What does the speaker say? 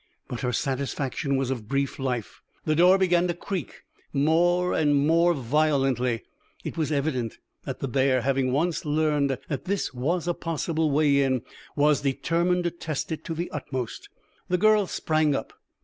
But her satisfaction was of brief life. The door began to creak more and more violently. It was evident that the bear, having once learned that this was a possible way in, was determined to test it to the utmost. The girl sprang up.